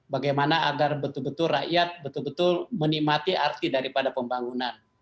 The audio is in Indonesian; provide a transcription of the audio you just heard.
bagaimana agar betul betul rakyat betul betul menikmati arti daripada pembangunan